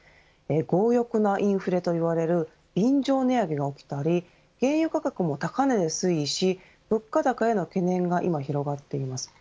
強欲なインフレといわれる便乗値上げが起きたり原油価格も高値で推移し物価高への懸念が今広がっています。